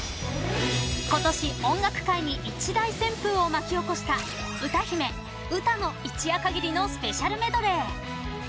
今年、音楽界に一大旋風を巻き起こした歌姫・ウタの一夜限りのスペシャルメドレー。